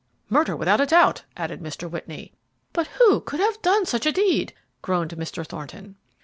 "Murder without a doubt!" added Mr. Whitney. "But who could have done such a deed?" groaned Mr. Thornton.